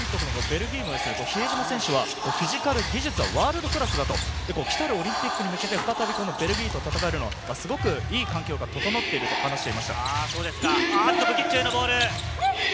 対戦国のベルギー、比江島選手はフィジカル、技術はワールドクラスだと、オリンピックに向けてベルギーと戦えるのはすごくいい環境が整っていると話していました。